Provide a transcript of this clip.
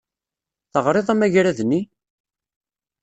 Taɣriḍ amagrad-nni?